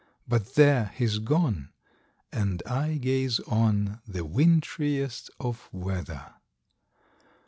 But, there! he's gone! and I gaze on The wintriest of weather!